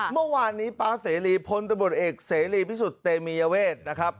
เมื่อวานนี้ป๊าเสรีพลตำรวจเอกเสรีพิสุทธิ์เตมียเวทนะครับ